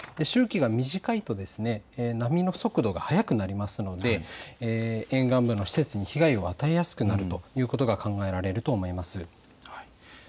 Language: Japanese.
周期が短いと波の速度が速くなりますので沿岸部の施設に被害を与えやすくなるということが考えられると思います。